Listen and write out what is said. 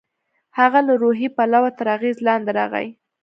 هغه له روحي پلوه تر اغېز لاندې راغی.